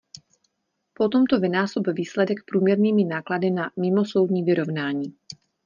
Potom to vynásob výsledek průměrnými náklady na mimosoudní vyrovnání.